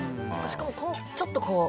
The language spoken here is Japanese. しかもちょっとこう。